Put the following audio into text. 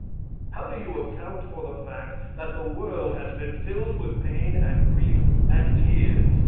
How do you account for the fact that the world has been filled with pain, and grief, and tears?